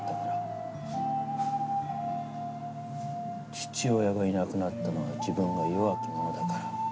父親がいなくなったのは自分が弱き者だから。